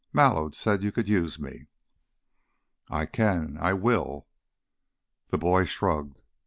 "Mallow said you could use me." "I can. I will." The boy shrugged.